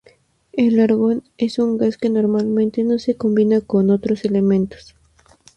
El argón es un gas que normalmente no se combina con otros elementos.